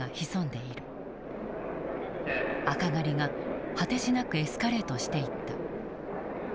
赤狩りが果てしなくエスカレートしていった。